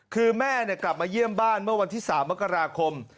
คือแม่กลับมาเยี่ยมบ้านเมื่อวันที่๓มกราคม